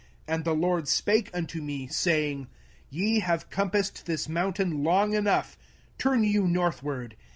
05:002:002 And the LORD spake unto me, saying, 05:002:003 Ye have compassed this mountain long enough: turn you northward.